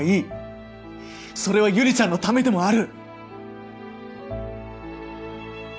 それは悠里ちゃんのためでもある！